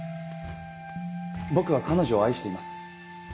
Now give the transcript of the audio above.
僕は彼女を愛しています。